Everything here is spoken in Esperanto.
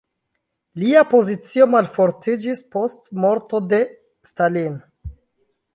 Lia pozicio malfortiĝis post morto de Stalin.